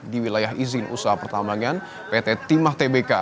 di wilayah izin usaha pertambangan pt timah tbk